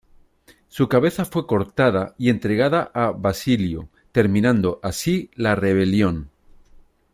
Su cabeza fue cortada y entregada a Basilio, terminando así la rebelión.